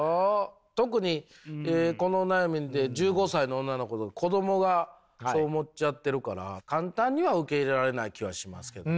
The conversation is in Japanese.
特にこの悩みで１５歳の女の子子どもがそう思っちゃってるから簡単には受け入れられない気はしますけども。